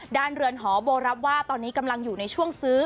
เรือนหอโบรับว่าตอนนี้กำลังอยู่ในช่วงซื้อ